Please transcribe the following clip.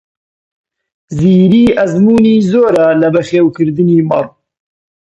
زیری ئەزموونی زۆرە لە بەخێوکردنی مەڕ.